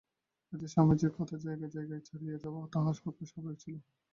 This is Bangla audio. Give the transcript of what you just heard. কাজেই স্বামীজীর কথা জায়গায় জায়গায় ছাড়িয়া যাওয়া তাঁহার পক্ষে স্বাভাবিকই ছিল।